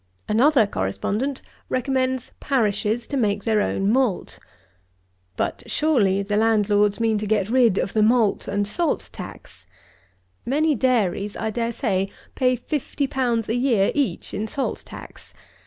110. Another correspondent recommends parishes to make their own malt. But, surely, the landlords mean to get rid of the malt and salt tax! Many dairies, I dare say, pay 50_l._ a year each in salt tax.